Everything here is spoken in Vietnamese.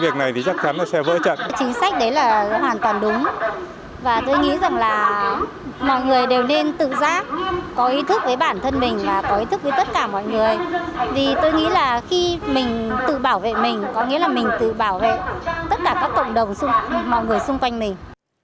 vì tôi nghĩ là khi mình tự bảo vệ mình có nghĩa là mình tự bảo vệ tất cả các cộng đồng mọi người xung quanh mình